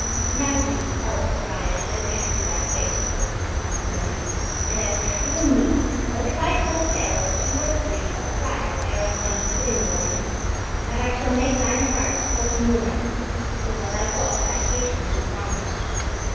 "Now do, else, Friar, I beshrew* thy face," *curse Quoth this Sompnour; "and I beshrewe me, But if* I telle tales two or three *unless Of friars, ere I come to Sittingbourne, That I shall make thine hearte for to mourn: For well I wot thy patience is gone."